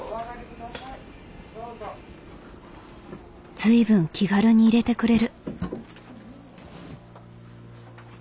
随分気軽に入れてくれる。